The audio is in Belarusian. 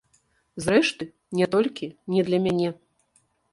Зрэшты, не толькі не для мяне.